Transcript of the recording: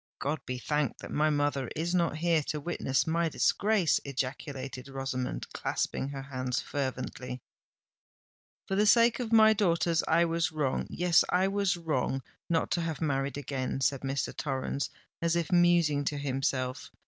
"God be thanked that my mother is not here to witness my disgrace!" ejaculated Rosamond, clasping her hands fervently. "For the sake of my daughters I was wrong—yes, I was wrong not to have married again," said Mr. Torrens, as if musing to himself.